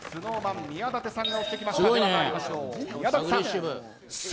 ＳｎｏｗＭａｎ宮舘さんが押してきました。